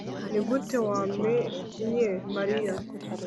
nigute wamenye mariya